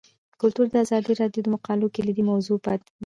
کلتور د ازادي راډیو د مقالو کلیدي موضوع پاتې شوی.